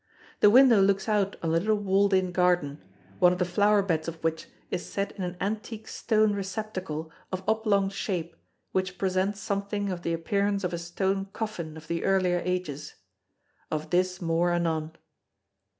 The window looks out on a little walled in garden, one of the flower beds of which is set in an antique stone receptacle of oblong shape which presents something of the appearance of a stone coffin of the earlier ages. Of this more anon.